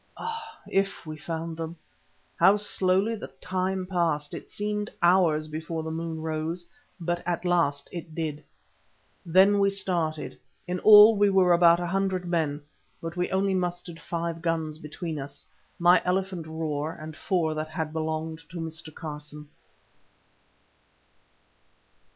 Ah! if we found them! How slowly the time passed! It seemed hours before the moon rose. But at last it did rise. Then we started. In all we were about a hundred men, but we only mustered five guns between us, my elephant roer and four that had belonged to Mr. Carson.